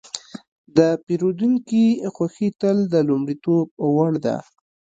د پیرودونکي خوښي تل د لومړیتوب وړ ده.